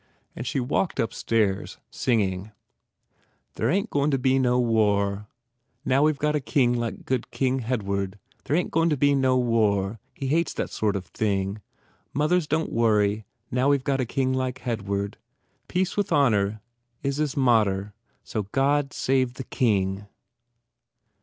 And she walked upstairs singing, "There ayn t a goin to be no wa ah, Now we ve got a king like good King Hedward, There ayn t a goin to be no wa ah. E ates that sort of fing, Muvvers, don t worry, Now we ve got a king like Hedward, Peace wiv onor is is motter, So, God sive the king!"